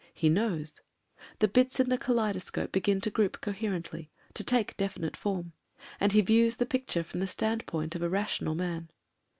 He knows. The bits in the kaleidoscope begin to group coherently, to take definite form, and he views the picture from the standpoint of a rational man.